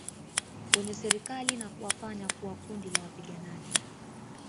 kwenye Serikali na kuwafanya kuwa kundi la wapiganaji